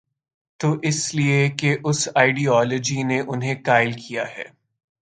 تو اس لیے کہ اس آئیڈیالوجی نے انہیں قائل کیا ہے۔